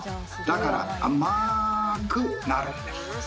だからあまくなるんです！